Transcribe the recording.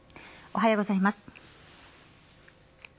おはようございます。